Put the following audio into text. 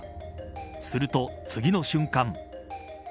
すると、次の瞬間。